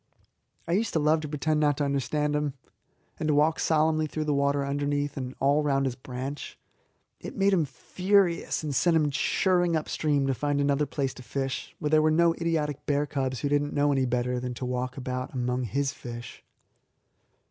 I used to love to pretend not to understand him, and to walk solemnly through the water underneath and all round his branch. It made him furious, and sent him chirring upstream to find another place to fish, where there were no idiotic bear cubs who did not know any better than to walk about among his fish.